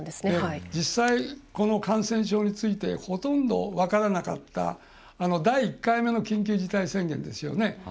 実際、この感染症についてほとんど分からなかった第１回目の緊急事態宣言ですよね。